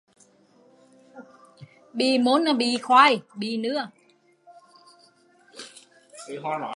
Bị môn, bị khoai, bị nưa